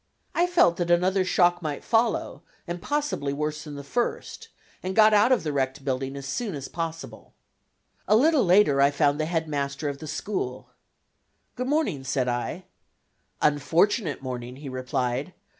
I felt that another shock might follow, and possibly worse than the first, and got out of the wrecked building as soon as possible. A little later I found the Head Master of the school. "Good morning," said I. "Unfortunate morning," he replied.